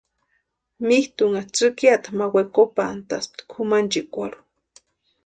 Mitʼunha tsïkiata ma wekopantaspti kʼumanchikwarhu.